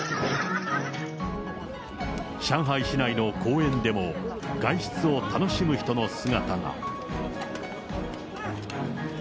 上海市内の公園でも、外出を楽しむ人の姿が。